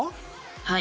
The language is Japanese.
はい。